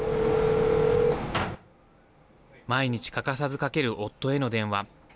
毎日欠かさずかける夫への電話。